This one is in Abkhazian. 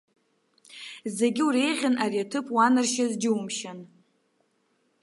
Зегьы уреиӷьны ари аҭыԥ уанаршьаз џьумшьан.